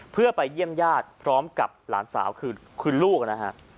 เพื่อไปเยี่ยมญาติพร้อมกับหลานสาวคือลูกนะฮะ